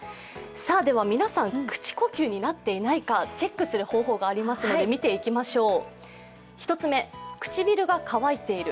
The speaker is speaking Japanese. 皆さん口呼吸になっていないかチェックする方法があるので見ていきましょう。